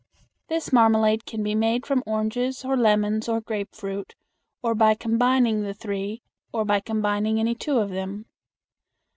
This marmalade can be made from oranges or lemons or grapefruit, or by combining the three, or by combining any two of them.